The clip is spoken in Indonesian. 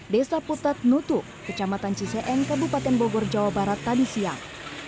desa putat nutu kecamatan ciseeng kabupaten bogor jawa barat tadi siang